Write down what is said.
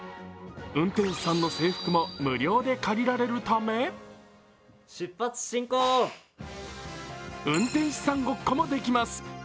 運転士さんの制服も無料で借りられるため運転士さんごっこもできます。